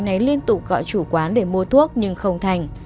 anh ấy liên tục gọi chủ quán để mua thuốc nhưng không thành